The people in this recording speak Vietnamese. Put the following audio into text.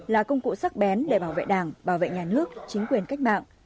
là công cụ sắc bén để bảo vệ đảng bảo vệ nhà nước chính quyền cách mạng